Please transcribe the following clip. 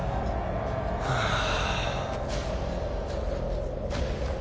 はあ。